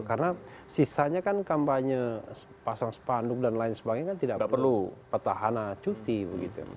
karena sisanya kan kampanye pasang spanduk dan lain sebagainya kan tidak perlu petahana cuti begitu